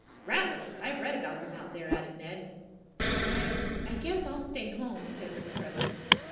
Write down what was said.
"Rattlers. I've read about them out there," added Ned. "I I guess I'll stay home," stammered the president.